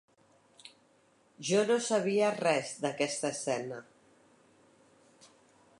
Jo no sabia res d'aquesta escena.